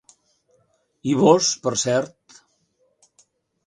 I vós, per cert?